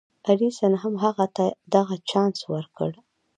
ايډېسن هم هغه ته دغه چانس ورکړ.